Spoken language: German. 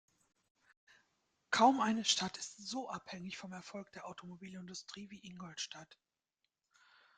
Kaum eine Stadt ist so abhängig vom Erfolg der Automobilindustrie wie Ingolstadt.